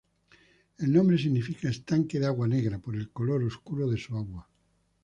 El nombre significa "estanque de agua negra", por el color oscuro de su agua.